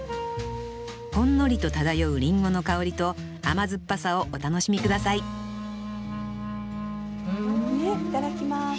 ほんのりと漂う林檎の香りと甘酸っぱさをお楽しみ下さいいただきます。